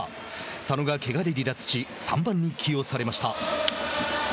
佐野がけがで離脱し３番に起用されました。